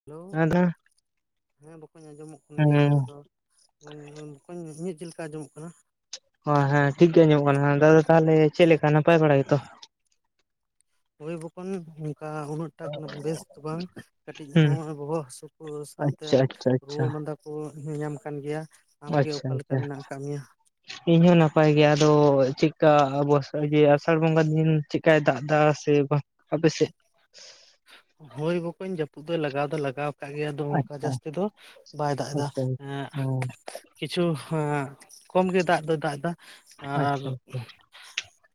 Hello ᱟᱫᱚ ᱦᱮᱸ ᱵᱟᱠᱚᱧ ᱟᱸᱡᱚᱢᱚᱜ ᱠᱟᱱ ᱜᱮᱭᱟ ᱦᱮᱸ ᱟᱫᱚ [unintelligible] ᱵᱚᱠᱚᱧ ᱤᱧᱟᱹᱜ ᱪᱮᱫ ᱞᱮᱠᱟ ᱟᱸᱡᱚᱢᱚᱜ ᱠᱟᱱᱟ ᱦᱚᱸ ᱦᱮᱸ ᱴᱷᱤᱠ ᱜᱮ ᱟᱸᱡᱚᱢᱚᱜ ᱠᱟᱱᱟ ᱟᱫᱚ ᱛᱟᱦᱚᱞᱮ ᱪᱮᱫ ᱞᱮᱠᱟ ᱱᱟᱯᱟᱭ ᱵᱟᱲᱟ ᱜᱮᱛᱚ ᱦᱳᱭ ᱵᱚᱠᱚᱧ ᱚᱱᱠᱟ ᱩᱱᱟᱹᱜ ᱴᱟᱠ ᱱᱟ ᱵᱮᱥ ᱫᱚ ᱵᱟᱝ ᱠᱟᱹᱴᱤᱡ ᱦᱩᱸ ᱦᱚᱸ ᱵᱚᱦᱚᱜ ᱦᱟ. ᱥᱩ ᱠᱚ ᱥᱟᱶ ᱛᱮ ᱟᱪᱪᱷᱟ ᱟᱪᱪᱷᱟ ᱟᱪᱪᱷᱟ ᱨᱩᱣᱟᱹ ᱢᱟᱸᱫᱟ ᱠᱚ ᱧᱟᱧᱟᱢ ᱠᱟᱱ ᱜᱮᱭᱟ ᱟᱢᱜᱮ ᱚᱠᱟ ᱞᱮᱠᱟ ᱢᱮᱱᱟᱜ ᱟᱠᱟᱫ ᱢᱮᱭᱟ ᱤᱧᱦᱚᱸ ᱱᱟᱯᱟᱭ ᱜᱮ ᱟᱫᱚ ᱪᱮᱫᱠᱟ ᱟᱵᱚ ᱡᱮ ᱟᱥᱟᱲ ᱵᱚᱸᱜᱟ ᱫᱤᱱ ᱪᱮᱜ ᱠᱟᱭ ᱫᱟᱜ ᱫᱟ ᱥᱮ ᱵᱟᱝ ᱟᱯᱮ ᱥᱮᱫ? ᱦᱳᱭ ᱵᱚᱠᱚᱧ ᱡᱟᱹᱯᱩᱫ ᱫᱚᱭ ᱞᱟᱜᱟᱣ ᱫᱚᱭ ᱞᱟᱜᱟᱣ ᱠᱟᱫ ᱜᱮᱭᱟ ᱟᱫᱚ ᱚᱱᱠᱟ ᱟᱪᱪᱷᱟ ᱡᱟᱹᱥᱛᱤ ᱫᱚ ᱵᱟᱭ ᱫᱟᱜ ᱫᱟ ᱟᱪᱪᱷᱟ ᱮᱜ ᱦᱩᱸ ᱠᱤᱪᱷᱩ ᱮᱜ ᱠᱚᱢ ᱜᱮᱭ ᱫᱟᱜ ᱫᱚᱭ ᱫᱟᱜ ᱮᱫᱟ ᱟᱨ ᱟᱪᱪᱷᱟ